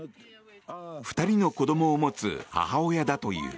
２人の子供を持つ母親だという。